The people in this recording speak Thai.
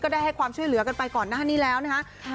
ได้ให้ความช่วยเหลือกันไปก่อนหน้านี้แล้วนะคะ